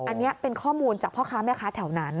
อันนี้เป็นข้อมูลจากพ่อค้าแม่ค้าแถวนั้น